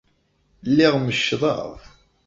Lliɣ meccḍeɣ.